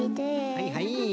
はいはい。